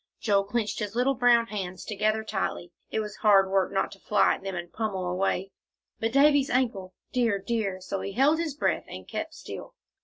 Joel clenched his little brown hands together tightly. It was hard work not to fly at them and pommel away. "But Davie's ankle dear dear!" So he held his breath and kept still.